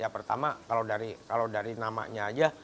pertama kalau dari namanya saja